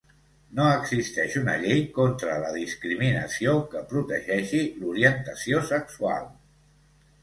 No existeix una llei contra la discriminació que protegeixi l'orientació sexual.